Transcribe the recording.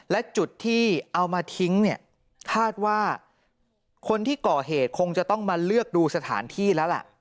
และจุดที่เอามาทิ้งเนี่ยคาดว่าคนที่ก่อเหตุคงจะต้องมาเลือกดูสถานที่แล้วล่ะ